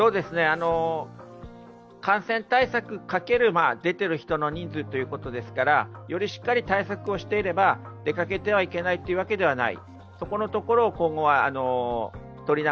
感染対策掛ける出ている人の人数ということですから、よりしっかり対策をしていれば、出かけてはいけないというわけではない。